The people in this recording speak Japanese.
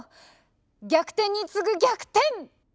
逆転に次ぐ逆転！